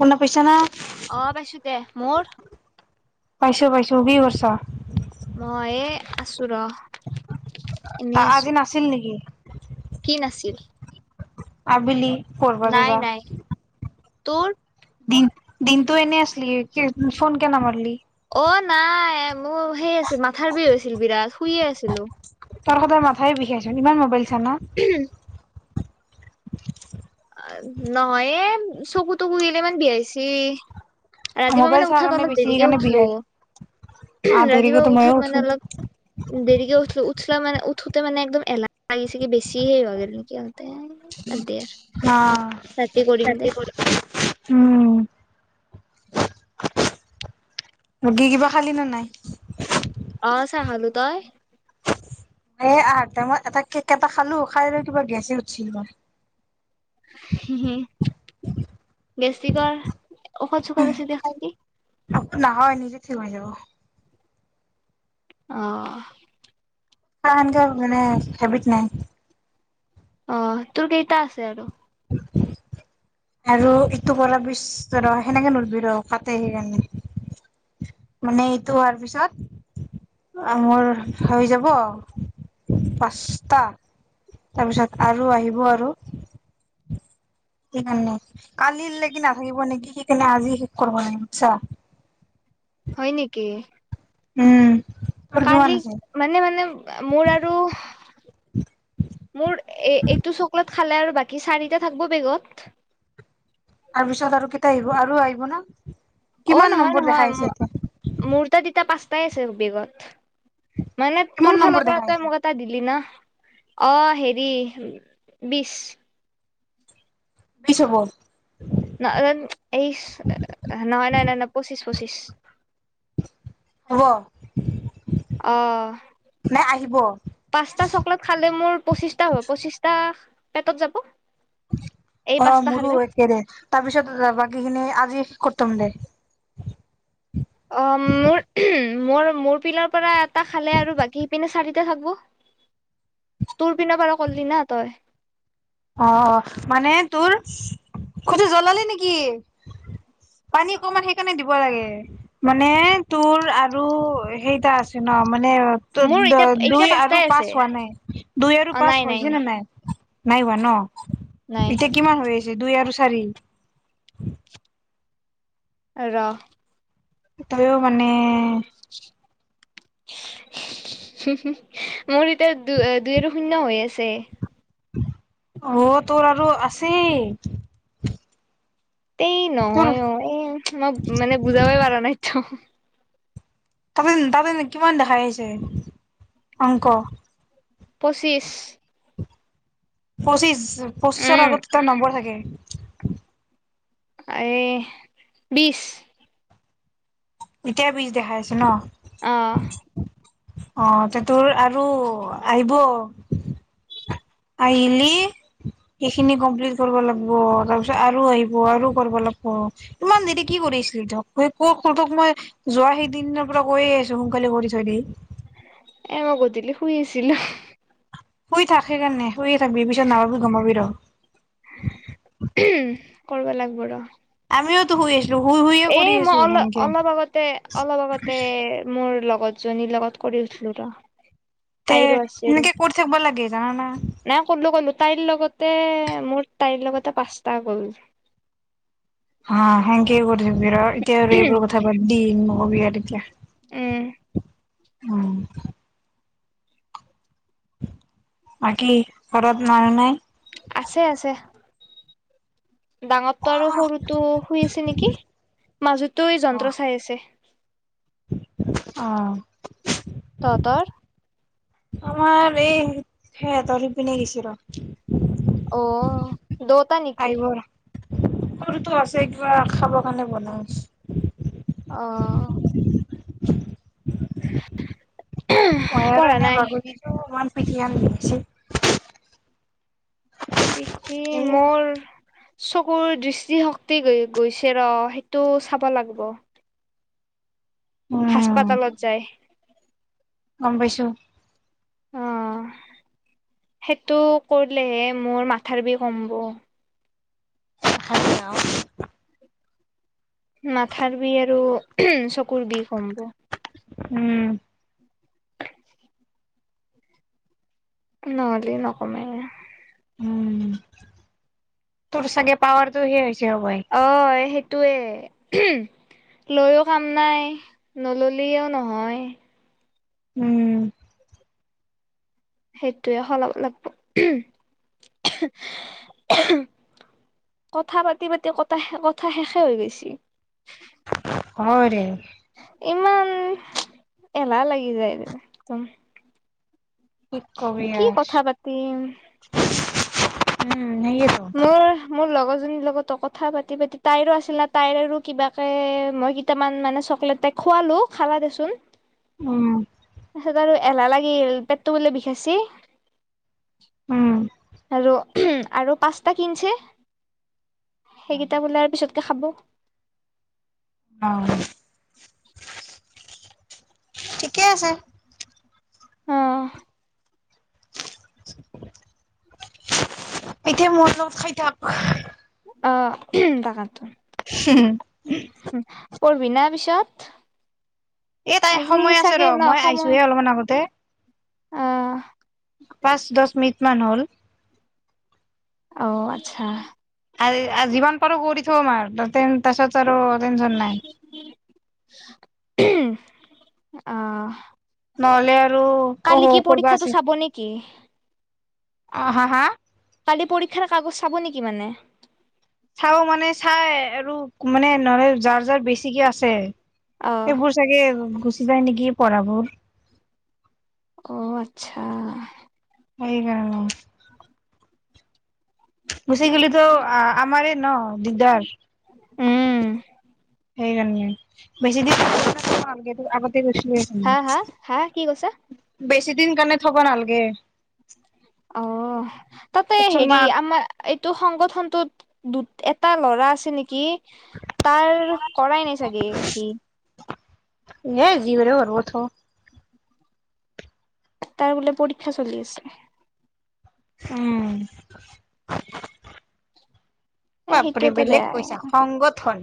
শুনা পাইচা না? অ পাইছোঁ দে। মোৰ? তুমি [unintelligible] আছোঁ ৰস। তা আজি নাছিল নেকি? কি নাছিল? আবেলি। কৰব যে নাই যা নাই তোৰ? দিন দিনটো এনেই আছলি, ফোন কিয় নামাৰলি? অ' নাই, মোৰ সেই ছিল মাথাৰ বিষ হৈছিল বিৰাট, শুয়ে আছিলোঁ। তৰ সদায় মাথাই বিষাইছোন, ইমান মোবাইল [unintelligible] নহয় এ, চকু তকু গিলে মান বিয়াইছি। ৰাতিপুৱা মোবাইল মানে চাৰ উঠাত কাৰণে অলপ বেছি দেৰিকে সেইকাৰণে উঠলো, বিষাই আহ ৰাতিপুৱা দেৰিকতো মইও উঠাত মানে উঠো অলপ দেৰিকে উঠলো উঠ তা মানে উঠোতে মানে একদম এলা লাগিছে কি বেছি [unintelligible] বাদ দে আৰ ৰাতি কৰিম অ', দে উম। [unintelligible] কিবা খালি নে নাই? অ চা খালো, তই? এ আহাৰ টাইমত এটা কেক এটা খালো, খাই লৈ কিবা গেছে উঠছিল মৰ। হু হু, গেষ্টিকৰ ঔষধ চৌষধ আছে দি খাবি। নহয় নিজে থিয় হৈ যাব। অ'। কয়ানকে মানে হেবিট নাই। অ', তোৰ কেইটা আছে আৰু? আৰু ইটো কৰাৰ পিছ ৰ সেনেকে নধবি ৰ, কাটে সেইকাৰণে। মানে ইটো হোৱাৰ পিছত, মোৰ হৈ যাব, পাঁচটা, তাৰপিছত আৰু আহিব আৰু সেইকাৰণে। কালিৰ লাগি নাথাকিব নেকি, সেইকাৰণে আজি শেষ কৰিব [unintelligible] বুছা? হয় নেকি উম। তোৰ কিমান কালি আছে মানে মানে মোৰ আৰু মোৰ এ এইটো চকলেট খালে আৰু বাকী চাৰিটা থাকিব বেগত। তাৰ পিছত আৰু কেইচা আহিব আৰু আহিব না। অহ কিমান ', নহয়- নম্বৰ নহয় দেখাই ম আছে এতিয়া মোৰ তাত এতিয়া পাঁচ তাইছে বেগত। মানে কিমান তোৰ নম্বৰ ফালৰ পৰা দেখাই তই আছে মোক এটা দিলি না। অহ ', হেৰি বিছ বিছ হব। ন এই নহয়- নহয় নহয় ন পচিছ । পঁচিছ। হব। অহ নে আহিব ', পাঁচটা চকলেট খালে মোৰ পঁচিছটা হব পঁচিছটা পেটত যাব। এই অহ ', পাঁচটা খালে মোৰো একেদিন তাৰপিছত বাকী খিনি আজি তম দে অ', মোৰ মোৰ- মোৰ পিলৰ পৰা টা খালে আৰু বাকী সিপিনে চাৰিটা। থাকব তোৰ পিনৰ পৰা কৰলি না তই? অহ ', মানে তোৰ কটো জ্বলালে নেকি পানী অকমান সেইকাৰণে দিব লাগে মানে তোৰ আৰু সেইটা আছে ন। মানে ত মোৰ এতিয়া এতিয়া দুই আৰু পাঁচটাই পাছ আছে হোৱা নাই দুই আৰু পাচ হয় হৈছে নে নাই -নাই হোৱা? নাই এতিয়া কিমান হৈ আছে দুই আৰু। চাৰি। ৰ তয়ো মানে। মোৰ এতিয়া দুই আৰু শূন্য হৈ আছে। অহ ', তোৰ আৰু আছেই। তেই তোৰ নহয় অহ ', এই মই মানে বুজাবই পাৰা নাই তক। তাতে - তাতে কিমান দেখাই আহিছে অংক। পঁচিছ। পঁচিশ- পঁচিশৰ উম, আগতে এটা নম্বৰ থাকে। এ বিচ এতিয়া বিছ দেখাই আছো ন। অহ', অহ ', তে তোৰ আৰু আহিব। আহিলি সেইখিনি কমপ্লিট কৰিব লাগিব তাৰপিছত আৰু আহিব আৰু কৰিব লাগিব ইমান দেৰি কি কৰিছিলি কত ত মই যোৱা সেইদিনৰ পৰা কৈয়ে আছো সোনকালে কৰি থৈ দি। এই ৰ গধূলি শুই আছিলো। শুই থাক সেইকাৰণে শুৱে থাকিবি পিছত নাপাবি গম পাবি ৰ। কৰবা লাগিব ৰ। আমওতো শুই আছো। শুই শুইয়ে এ কৰি মই অলপ- সেনেকে অলপ আগতে- অলপ আগতে মোৰ লগত জনী লগত কৰি উঠলো ৰ। তে তাইৰো আছিল এনেকে কৰি থাকিব লাগে। জানানা নাই কলো ক'লো। তাইৰ লগতে মোৰ তাইৰ লগতে পাঁচটা গ'ল। অ ' হেনেকে এতিয়া এইবোৰ কথা বাদ দি হ'বি আৰু এতিয়া। উম, উম, বাকী ঘৰত মাৰো নাই। আছে -আছে ডাঙৰটো আৰু সৰুটো শুই আছে নেকি মাজুো যন্ত্ৰ চাই আছে। আহ তহঁতৰ আমাৰ এই হ তৰি পনে গিছিল। অ' দটা নেকি? আহিব ৰ সৰুটো আছে কিবা খাবৰ কাৰণে বনাাই অ ' তই আৰু পঢ়া এনে নাই ভাগিছো ইমান। পিঠিখন বিখালে পিঠি মোৰ। চকুৰ দৃষ্টিশক্তি গ গৈছে ৰ সেইটো চাব লাগিব। উম হাস্পাতালত যায়। গম পাইছো। অ 'সেইটো কৰিলেহে মোৰ মাথাৰ বি কমব [unintelligible] মাথাৰ বিষ আৰু চকুৰ বিষ কমিব উম, [inaudible] নহলে নকমে। উম তোৰ চাগে পাৱাৰটো সেই। হবই অ সেইটো। তয়ে লৈও কাম নাই নললেও নহয়। উম সেইটোয়ে সলাব লাগিব কথা পাতি পাতি কথা কথা শেষে হৈ গৈছে। হয়। ইমান এলাহ লাগি যায় ৰে কি কবি আছ। পাতিম উম। সেয়েতো মোৰ মোৰ লগত। লগতো কথা পাতি -পাতি তাইৰো আছিলা তাইৰ কিবাকে মই কেইটামান মানে চকলেট তাই খুৱালো খালা দেচোন। উম, তাৰপিছত আৰু এলাহ লাগিল পেটটো বলে বিষাইচি। উম, আৰু-আৰু পাঁচটা কিনচি। সেইকেইটা বোলাৰ পিছত, খাব। অ, ঠিকে আছে। অহ, এতিয়া মদ অলপ খাই থাক। অ তাকাতো, হম, পবি না পিছত। এ তাই আজি সময় আছে চাগে ৰ মই আহিচে ৰহ অলপমান আগতে। অহ, পাঁচ দহ মিনিট মান হ'ল। অ' আচ্ছা। আৰু যিমান পাৰো কৰি থ আমাৰ ততে তাৰপিছত আৰু। নাই অহ, নহ'লে আৰু আৰু অহ কৰিবা আছে। চাব নেকি অ হা-হা, কালি পৰীক্ষাৰ কাগজ চাব নেকি মানে। চাও মানে চাই আৰু মানে। নহলে যাৰ-যাৰ বছি কি আছে। ছয় অ [unintelligible] সেইবোৰ চাগে গো সি যায় নেকি পঢ়াবোৰ। অ আচ্ছা, সেই কাৰণে। গুচি গলে তো আমাৰে ন। দিগদাৰ। উম সেইকাৰনে। বেছি আগতে গৈছিল হা হা হা কি কৈছা বেছি। দিন কেনে থবা নালাগে। অ, তাতে কচোন হেৰি মাক আমাৰ। তটো সংগঠনটোত দু এটা ল'ৰা আছে নেকি? তাৰ কৰাই নাই চাগে সি। এ জী কৰে কৰিব থো তাৰ বোলে পৰীক্ষা চলি আছে। উম এ সেইটো বাপৰে, এটা বেলেগ বেয়া কৈছা সংগঠন।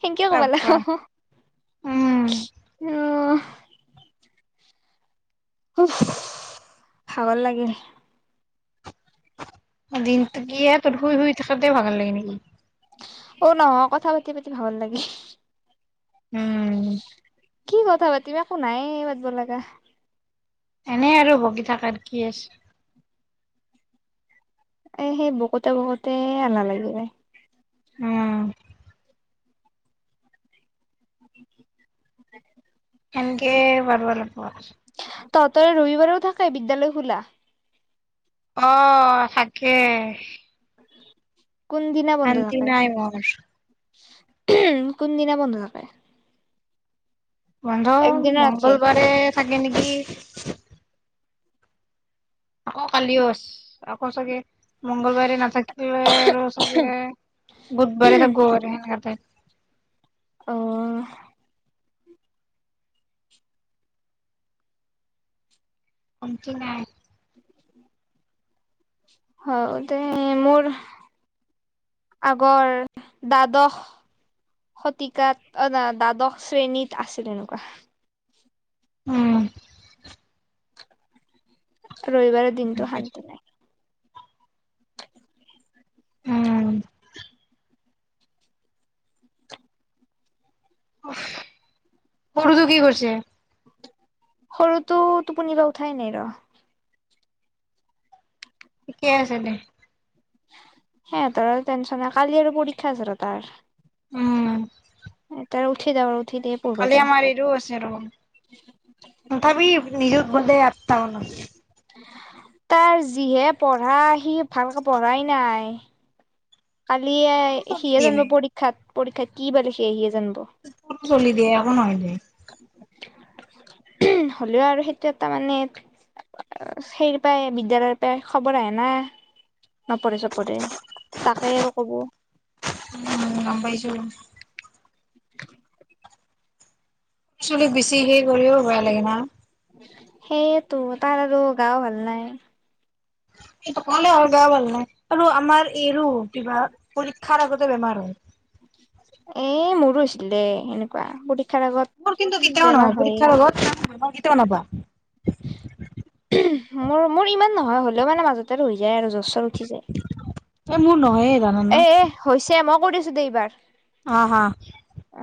সেনেকে কব বাপা লাগব উম উফ, ভাগৰ লাগিল। এদিন কিয়ে তৰ শুই শুই থাক তাতে ভাগ লাগে নেকি? অ নহ কথা পাতি পাতি ভাগৰ লাগিল উম কি কথা পাতিম, একো নাইয়ে পতিবা লগা। এনেই আৰু বকি থাক আৰ কি আছে। এ সেই বকোতে -বকোতে এলাহ লাগি যায়। উম হেনকে তহঁতৰ ৰবিবাৰেও থাকে বিদ্যালয় খোলা? অ থাকে। [unintelligible] শান্তি নাই মোৰ। উ, কোনদিনা বন্ধ থাকে? বন্ধ একদিনা ৰাখে মংগলবাৰে থাকে নেকি [unintelligible] আকৌ কালিও আছ, আকৌ চাগে মংগলবাৰে নাথাকিলে আৰু চাগে বুধবাৰে থাকব পাৰে, সেনকা টাইপ। অহ শান্তি নাই হয়তে মোৰ আগৰ দ্বাদশ শতিকাত, অ দ্বাদশ শ্ৰেণীত আছিল এনেকুৱা। উম ৰবিবাৰৰ দিনটো শান্তি নাই। উম সৰুটো কি কৰিছে? সৰুটো টোপনিৰ পৰা উঠাই নাই ৰহ ঠিকে আছে দে। সেহতৰ টেনচন নাই, কালি আৰু পৰীক্ষা আছিল তাৰ উম এ তাৰে উঠি উঠি দে পঢ়বা কালি দে আমাৰ ঈদো আছে ৰ, [unintelligible] তাৰ যিহে পঢ়া, সি ভালকে পঢ়াই নাই। সৰু কালিয়ে চলি সিহে জানব দিয়ে পৰীক্ষাত পৰীক্ষা কি বা লিখে [unintelligible] চলি দিয়ে একো নহয় দে। হ'লেও আৰু সেইটো এটা মানে সেই পাই বিদ্যালয়ৰ পৰাই খবৰ আহে না নপৰে চপৰে তাকে আৰু ক'ব। উম গম পাইছো। চলীক বেছি সে কৰিও বেয়া লাগে না। সেয়েতো তাৰ আৰু গাৱো ভাল নাই। লে আৰু গেয়া ভাল নাই আৰু এৰো কিবা পৰীক্ষাৰ আগতে বেমাৰ হয়। এ মোৰো হৈছিল দে এনেকুৱা প মোৰ কিন্তু কেতিয়াও নহয় পৰীক্ষাৰ আগত। [unintelligible] মোৰ মোৰ ইমান নহয়। হ'লেও মানে মাজতে হৈ যায় আৰু জ্ব্বৰ চৰ উঠি যায়। এই মোৰ ন এ এ হৈছে মোক কৰিছো দে এইবাৰ। আহ হা। অ